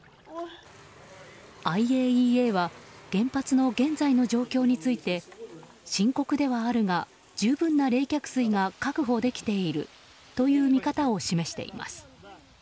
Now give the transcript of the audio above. ＩＡＥＡは原発の現在の状況について深刻ではあるが十分な冷却水が確保できているという見方を示しています。